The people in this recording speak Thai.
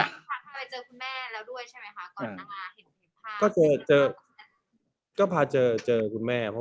พาเขาไปเจอคุณแม่แล้วด้วยใช่ไหมคะก่อนมาเห็นภาพ